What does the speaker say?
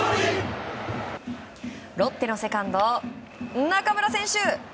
ロッテのセカンド、中村選手。